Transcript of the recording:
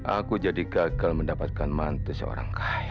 aku jadi gagal mendapatkan mantu seorang kaya